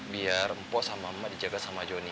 biar empoh sama emak dijaga sama joni